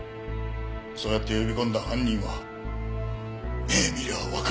そうやって呼び込んだ犯人は目ぇ見りゃわかるようになる。